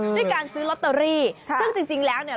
ด้วยการซื้อลอตเตอรี่ซึ่งจริงแล้วเนี่ย